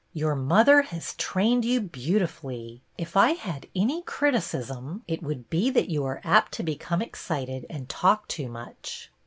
" Your mother has trained you beautifully. If I had any criticism it would be that you 1 12 BETTY BAIRD are apt to become excited and talk too much."